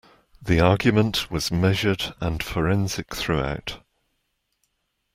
The argument was measured and forensic throughout.